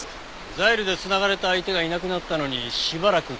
ザイルで繋がれた相手がいなくなったのにしばらく気づかない。